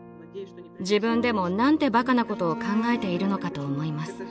自分でも何てバカなことを考えているのかと思います。